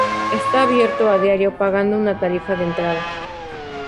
Está abierto a diario pagando una tarifa de entrada.